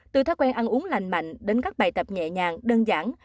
từ thói quen ăn uống lành mạnh đến các bài tập nhẹ nhàng đơn giản